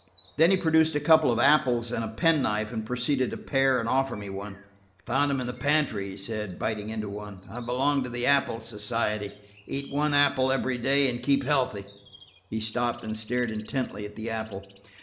Then he produced a couple of apples and a penknife and proceeded to pare and offer me one. "Found 'em in the pantry," he said, biting into one. "I belong to the apple society. Eat one apple every day and keep healthy!" He stopped and stared intently at the apple.